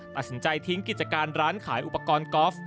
ตัดสินใจทิ้งกิจการร้านขายอุปกรณ์กอล์ฟ